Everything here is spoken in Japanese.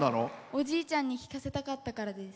おじいちゃんに聴かせたかったからです。